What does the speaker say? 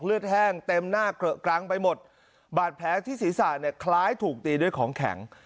แห้งเต็มหน้าเกลอะกรังไปหมดบาดแผลที่ศีรษะเนี่ยคล้ายถูกตีด้วยของแข็ง